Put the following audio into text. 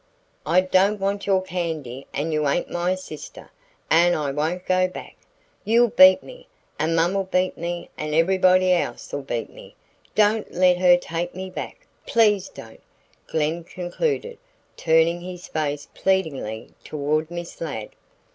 "I don't want your candy and you ain't my sister, and I won't go back. You'll beat me, and mom'll beat me and everybody else'll beat me. Don't let her take me back, please don't," Glen concluded, turning his face pleadingly toward Miss Ladd.